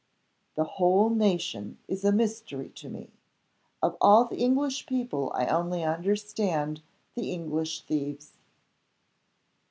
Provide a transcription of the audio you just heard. "The whole nation is a mystery to me. Of all the English people I only understand the English thieves!"